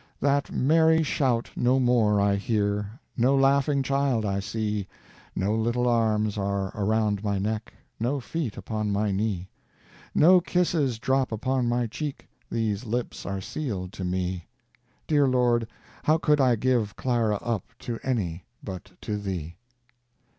That merry shout no more I hear, No laughing child I see, No little arms are around my neck, No feet upon my knee; No kisses drop upon my cheek, These lips are sealed to me. Dear Lord, how could I give Clara up To any but to Thee?